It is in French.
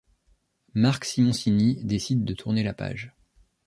Marc Simoncini décide de tourner la page.